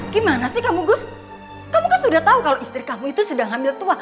gimana sih kamu gus kamu kan sudah tahu kalau istri kamu itu sedang hamil tua